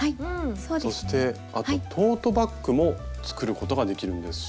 そしてあとトートバッグも作ることができるんです。